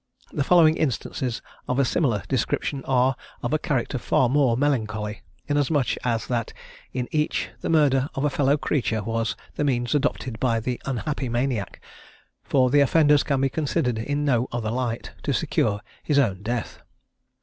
The following instances of a similar description are of a character far more melancholy, inasmuch as that in each the murder of a fellow creature was the means adopted by the unhappy maniac, for the offenders can be considered in no other light, to secure his own death.